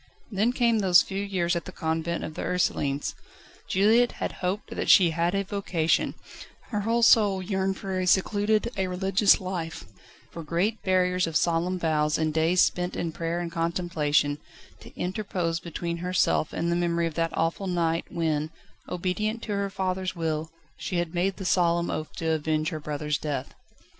Then came those few years at the Convent of the Ursulines. Juliette had hoped that she had a vocation; her whole soul yearned for a secluded, a religious, life, for great barriers of solemn vows and days spent in prayer and contemplation, to interpose between herself and the memory of that awful night when, obedient to her father's will, she had made the solemn oath to avenge her brother's death.